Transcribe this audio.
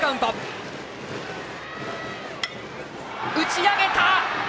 打ち上げた！